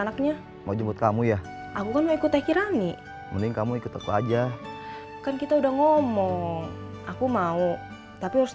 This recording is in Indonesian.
tapi sebelum nikah kamu harus punya kejadian